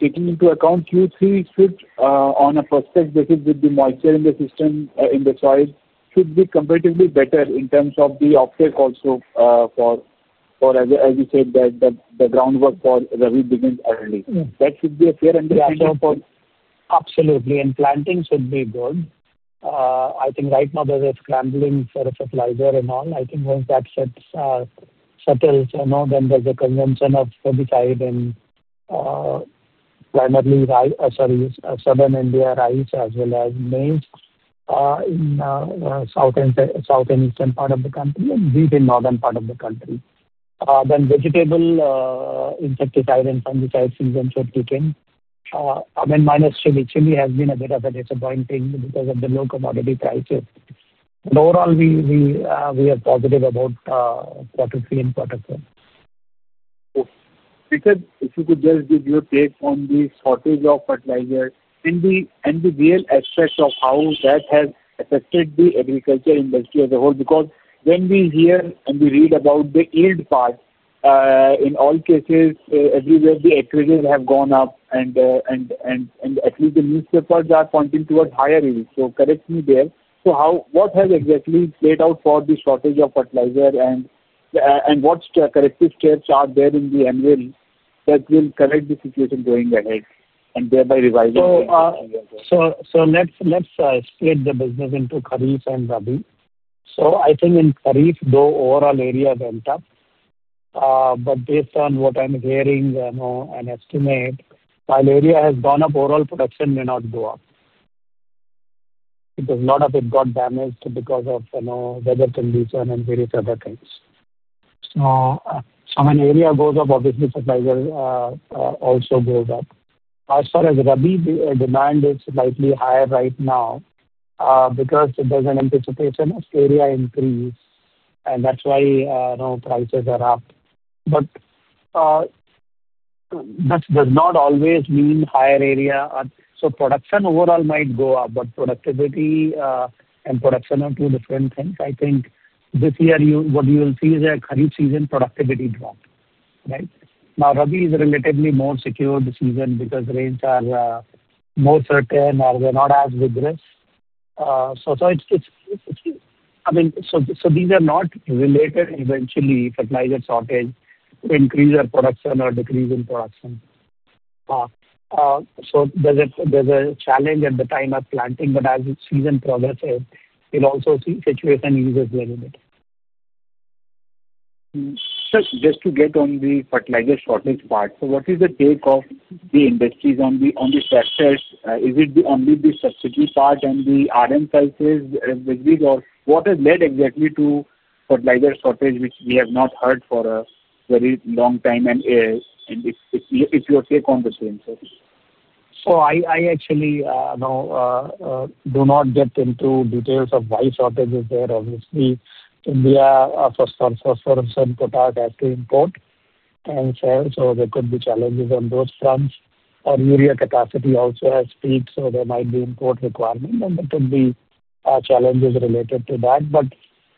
Taking into account Q3, on a prospect basis, with the moisture in the system, in the soil, should be comparatively better in terms of the uptake also for, as you said, the groundwork for rabi begins early. That should be a fair understanding for. Absolutely. Planting should be good. I think right now there's a scrambling for fertilizer and all. I think once that settles, there's a convention of herbicide in primarily Southern India rice as well as maize in the south and eastern part of the country and deep in the northern part of the country. Then vegetable insecticide and fungicide season should kick in, minus chili. Chili has been a bit disappointing because of the low commodity prices. Overall, we are positive about quarter three and quarter four. If you could just give your take on the shortage of fertilizers and the real aspect of how that has affected the agriculture industry as a whole, because when we hear and we read about the yield part, in all cases, everywhere the acreages have gone up and at least the newspapers are pointing towards higher yields. Correct me there. What has exactly played out for the shortage of fertilizer and what's the corrective steps are there in the ML that will correct the situation going ahead and thereby revising the ML? Let's split the business into kharif and rabi. In kharif, the overall area went up, but based on what I'm hearing, an estimate is that while area has gone up, overall production may not go up because a lot of it got damaged because of weather conditions and various other things. When area goes up, obviously fertilizer also goes up. As far as rabi, demand is slightly higher right now because there's an anticipation of area increase, and that's why prices are up. That does not always mean higher area. Production overall might go up, but productivity and production are two different things. I think this year what you will see is a kharif season productivity drop. Now, rabi is a relatively more secured season because rains are more certain or they're not as vigorous. These are not related eventually to fertilizer shortage to increase our production or decrease in production. There's a challenge at the time of planting, but as the season progresses, you'll also see the situation eases a little bit. Sir, just to get on the fertilizer shortage part, what is the take of the industries on the sectors? Is it only the subsidy part and the culture is residual, or what has led exactly to fertilizer shortage, which we have not heard for a very long time? If your take on the same, sir. I actually do not get into details of why shortage is there. Obviously, India, for some certain products, has to import and sell, so there could be challenges on those fronts. Our urea capacity also has peaked, so there might be import requirements, and there could be challenges related to that.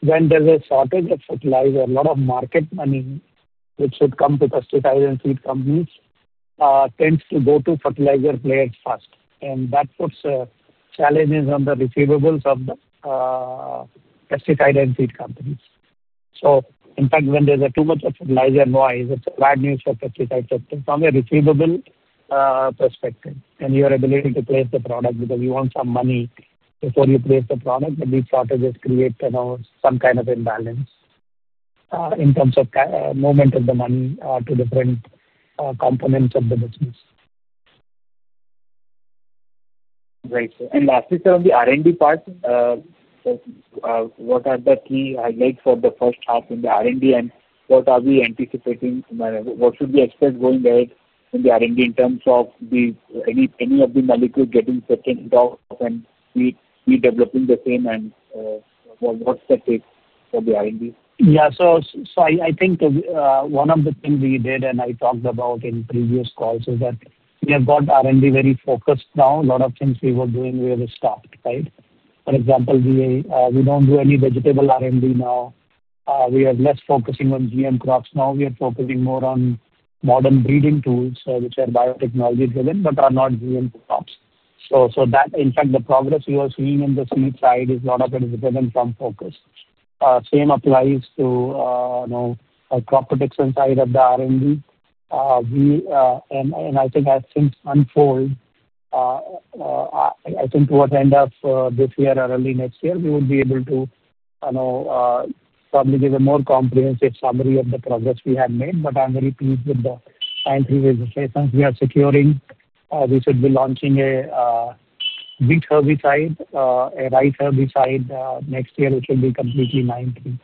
When there's a shortage of fertilizer, a lot of market money, which would come to pesticide and seed companies, tends to go to fertilizer players first. That puts challenges on the receivables of the pesticide and seed companies. In fact, when there's too much of fertilizer noise, it's bad news for pesticide sectors from a receivable perspective and your ability to place the product because you want some money before you place the product, but these shortages create some kind of imbalance in terms of movement of the money to different components of the business. Right. Lastly, sir, on the R&D part, what are the key highlights for the first half in the R&D, and what are we anticipating? What should be expected going ahead in the R&D in terms of any of the molecules getting second off and we developing the same? What's the take for the R&D? Yeah. I think one of the things we did, and I talked about in previous calls, is that we have got R&D very focused now. A lot of things we were doing, we have stopped, right? For example, we don't do any vegetable R&D now. We are less focusing on GM crops now. We are focusing more on modern breeding tools, which are biotechnology-driven, but are not GM crops. In fact, the progress we are seeing in the seed side is a lot of it is driven from focus. The same applies to, you know, crop protection side of the R&D. I think as things unfold, I think towards the end of this year or early next year, we would be able to, you know, probably give a more comprehensive summary of the progress we have made. I'm very pleased with the resistance we are securing. We should be launching a wheat herbicide, a rice herbicide next year, which will be completely lime free.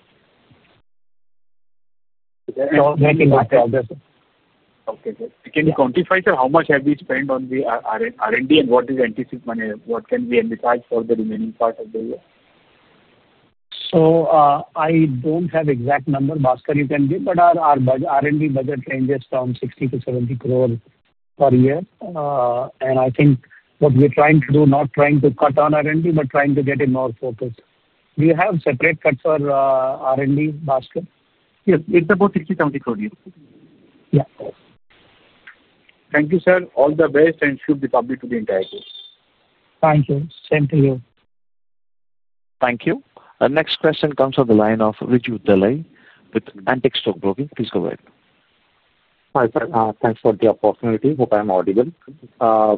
That can be progressive. Okay. Can you quantify, sir, how much have we spent on the R&D and what is anticipated? What can we advertise for the remaining part of the year? I don't have an exact number. Bhaskar, you can give, but our R&D budget ranges from 60 crore-70 crore per year. I think what we're trying to do, not trying to cut on R&D, but trying to get in more focus. Do you have separate cuts for R&D, Bhaskar? Yes, it's about 60 crore-70 crore. Yeah. Thank you, sir. All the best and should be public to the entire team. Thank you. Same to you. Thank you. Next question comes from the line of Riju Dalui with Antique Stock Broking. Please go ahead. Hi, sir. Thanks for the opportunity. Hope I'm audible. Yeah.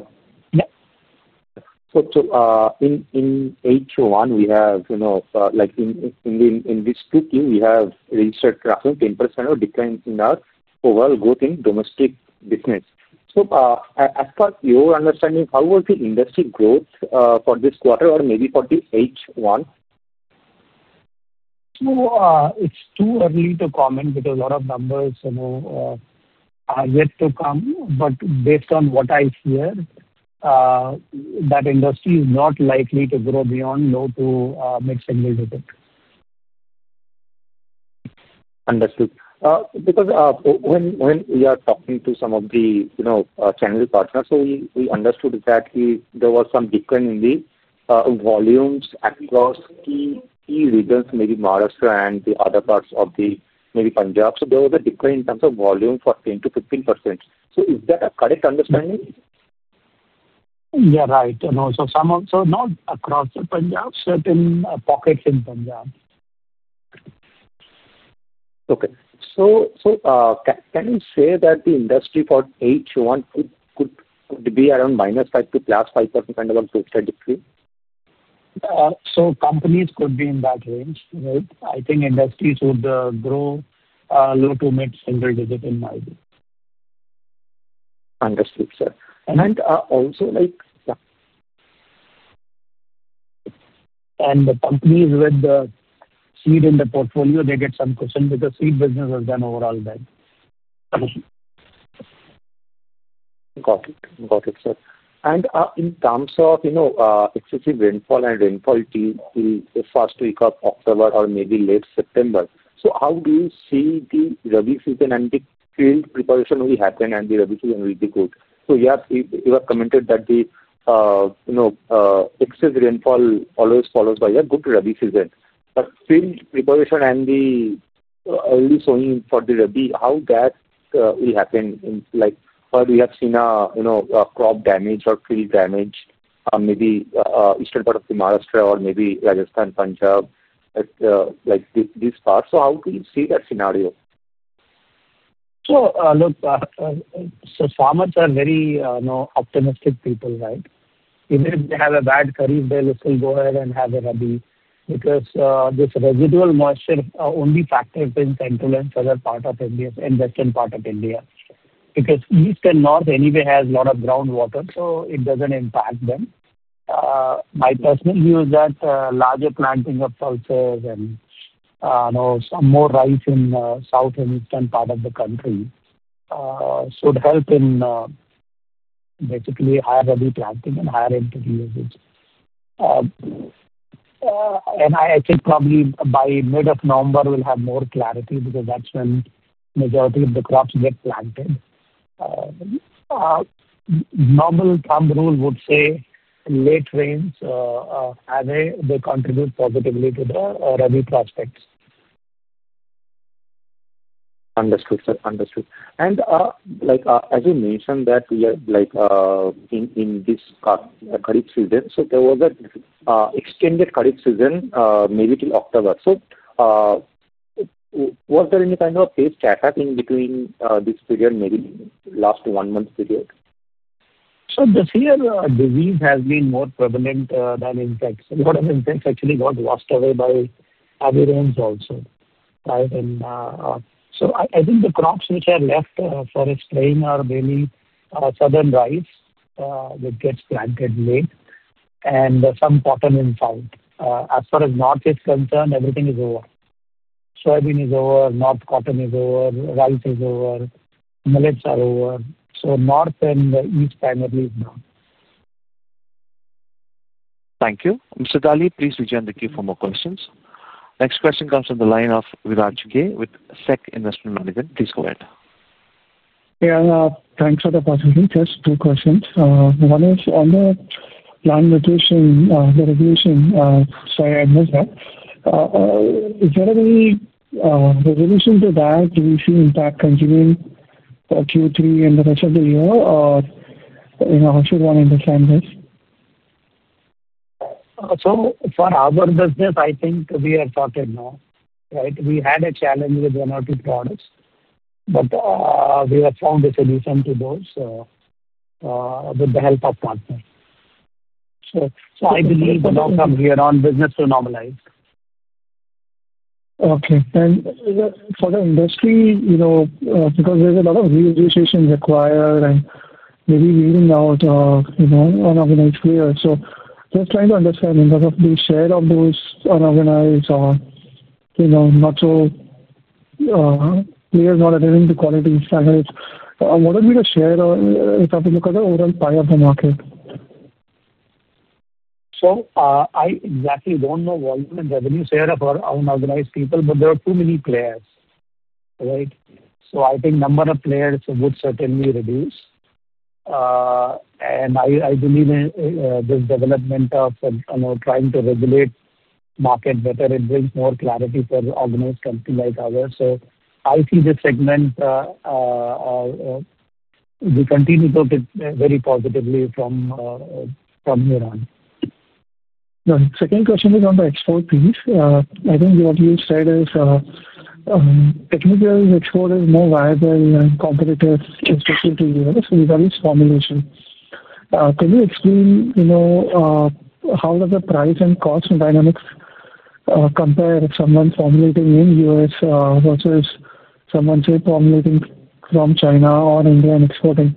In H1, we have, like in this Q3, we have registered crashing 10% of declines in our overall growth in domestic business. As far as your understanding, how was the industry growth for this quarter or maybe for the H1? It's too early to comment because a lot of numbers are yet to come. Based on what I hear, that industry is not likely to grow beyond low to mid-single digit. Understood. When we are talking to some of the channel partners, we understood exactly there was some decline in the volumes across key regions, maybe Maharashtra and other parts of maybe Punjab. There was a decline in terms of volume for 10%-15%. Is that a correct understanding? Yeah, right. Also, some of, so not across the Punjab, certain pockets in Punjab. Okay, can you say that the industry for H1 could be around -5% to +5% kind of a growth trajectory? Companies could be in that range, right? I think industries would grow low to mid-single digit in my view. Understood, sir. Companies with the seed in the portfolio get some cushion because seed business has done overall bad. Got it, sir. In terms of excessive rainfall and rainfall till the first week of October or maybe late September, how do you see the rabi season and the field preparation will happen and the rabi season will be good? You have commented that excess rainfall always follows by a good rabi season. For field preparation and the early sowing for the rabi, how will that happen in areas where we have seen crop damage or field damage, maybe eastern part of Maharashtra or maybe Rajasthan, Punjab, like this part? How do you see that scenario? Farmers are very, you know, optimistic people, right? Even if they have a bad kharif, they'll still go ahead and have a rabi because this residual moisture only factors in central and southern part of India and western part of India. East and north anyway has a lot of groundwater, so it doesn't impact them. My personal view is that larger planting of pulses and some more rice in the south and eastern part of the country should help in basically higher rabi planting and higher input usage. I think probably by mid of November, we'll have more clarity because that's when the majority of the crops get planted. Normal thumb rule would say late rains contribute positively to the rabi prospects. Understood, sir. Understood. Like as you mentioned that we are in this kharif season, there was an extended kharif season maybe till October. Was there any kind of case chat happening between this period, maybe last one month period? This year, disease has been more prevalent than insects. A lot of insects actually got washed away by heavy rains also, right? I think the crops which are left for spring are mainly southern rice that gets planted late and some cotton in south. As far as north is concerned, everything is over. Soybean is over, north cotton is over, rice is over, millets are over. North and east primarily is down. Thank you. Mr. Dali, please reach out in the queue for more questions. Next question comes from the line of [Virat Jukhe] with SEC Investment Management. Please go ahead. Yeah, thanks for the opportunity. Just two questions. One is on the plant nutrition, the regulation. Sorry, I missed that. Is there any resolution to that? Do we see impact continuing for Q3 and the rest of the year? Should one understand this? For our business, I think we have sorted now, right? We had a challenge with the amount of products, but we have found a solution to those with the help of partners. I believe the long-term here on business to normalize. Okay. For the industry, you know, because there's a lot of re-aggregation required and maybe weeding out unorganized players, just trying to understand because of the share of those unorganized or, you know, not so players not adhering to quality standards, what would be the share if I have to look at the overall pie of the market? I exactly don't know volume and revenue share of our unorganized people, but there are too many players, right? I think the number of players would certainly reduce. I believe in this development of trying to regulate the market better, it brings more clarity for an organized company like ours. I see this segment, we continue to look at very positively from here on. The second question is on the export piece. I think what you said is technical export is more viable and competitive, especially to the U.S. with various formulations. Can you explain how does the price and cost dynamics compare if someone's formulating in the U.S. versus someone, say, formulating from China or India and exporting?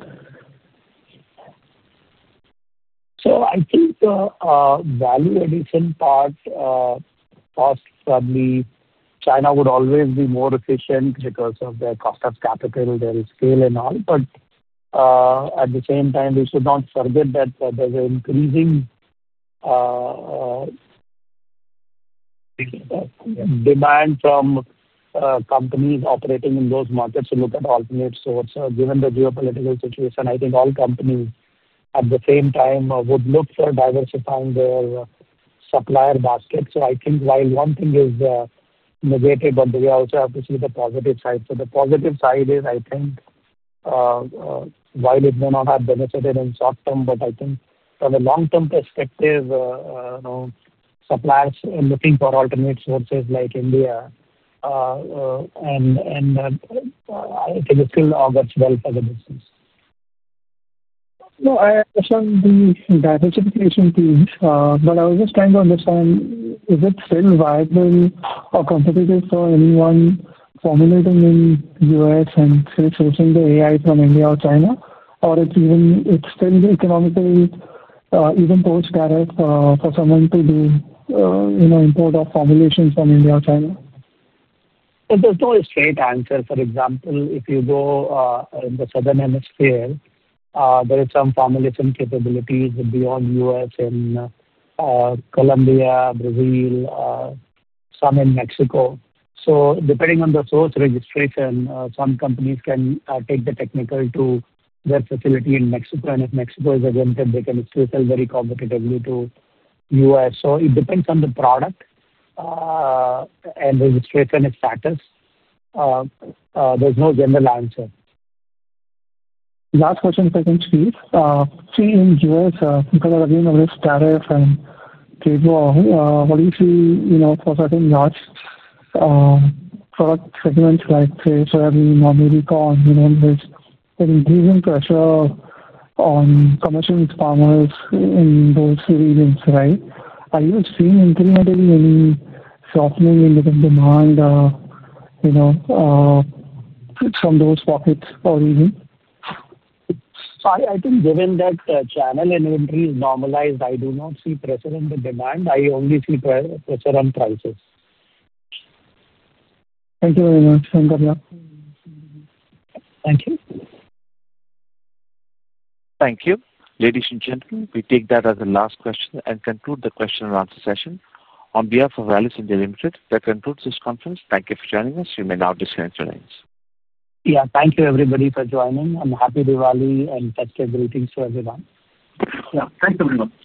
I think the value addition part cost probably China would always be more efficient because of their cost of capital, their scale, and all. At the same time, we should not forget that there's an increasing demand from companies operating in those markets to look at alternate sources. Given the geopolitical situation, I think all companies at the same time would look for diversifying their supplier basket. While one thing is negative, we also have to see the positive side. The positive side is, I think, while it may not have benefited in the short term, from a long-term perspective, you know, suppliers are looking for alternate sources like India. I think it's still August 12th as a business. No, I understand the diversification piece, but I was just trying to understand, is it still viable or competitive for anyone formulating in the U.S. and sourcing the AI from India or China? Or is it still economically, even post-carrot, for someone to do import of formulations from India or China? There is no straight answer. For example, if you go in the southern hemisphere, there are some formulation capabilities beyond the U.S. in Colombia, Brazil, some in Mexico. Depending on the source registration, some companies can take the technical to their facility in Mexico. If Mexico is exempted, they can still sell very competitively to the U.S. It depends on the product and registration status. There is no general answer. Last question, second, please. In the U.S., because of everything with tariff and trade war, what do you see for certain large product segments like, say, soybean or maybe corn? There's an increasing pressure on commercial farmers in those regions, right? Are you seeing incrementally any softening in the demand from those pockets or region? I think given that channel inventory is normalized, I do not see pressure in the demand. I only see pressure on prices. Thank you very much. Thank you. Thank you. Ladies and gentlemen, we take that as the last question and conclude the question and answer session. On behalf of Rallis India Limited, that concludes this conference. Thank you for joining us. We may now disconnect the lines. Thank you, everybody, for joining. Happy Diwali and festive greetings to everyone. Thank you, everyone.